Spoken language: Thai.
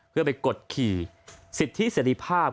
เพื่อไปกดขี่สิทธิเสรีภาพ